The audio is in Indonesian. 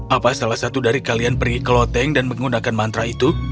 apa salah satu dari kalian pergi ke loteng dan menggunakan mantra itu